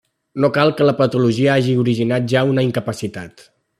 No cal que la patologia hagi originat ja una incapacitat.